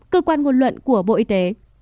cơ quan ngôn luận của bộ y tế